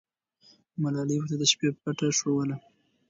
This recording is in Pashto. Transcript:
ملالۍ ورته د شپې پته ښووله.